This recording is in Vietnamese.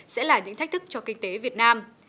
sẽ là những thách thức cho kinh tế việt nam